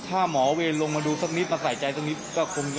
ถ้าหมอเวรลงมาดูสักนิดมาใส่ใจตรงนี้ก็คงจะ